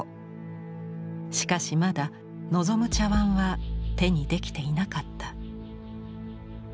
しかしまだ望む茶碗は手にできていなかった。